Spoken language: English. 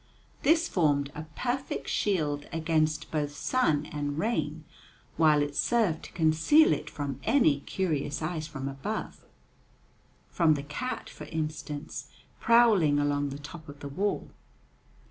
This formed a perfect shield against both sun and rain, while it served to conceal it from any curious eyes from above, from the cat, for instance, prowling along the top of the wall.